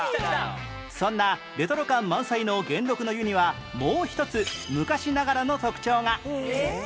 そんなレトロ感満載の元禄の湯にはもう一つ昔ながらの特徴が